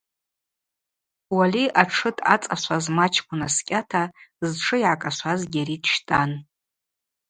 Уали атшы дъацӏашваз мачӏкӏ унаскӏьата зтшы йгӏакӏашваз Гьари дщтӏан.